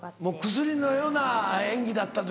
薬のような演技だったと。